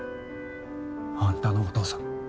あんたのお父さん